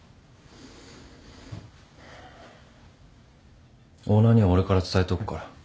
オーナーには俺から伝えとくから。